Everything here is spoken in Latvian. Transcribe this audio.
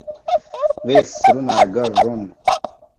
Viesis runāja garu runu.